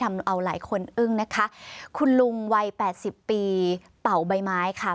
เราหลายคนอึ้งนะคะคุณลุงวัยแปดสิบปีเป่าใบไม้ค่ะ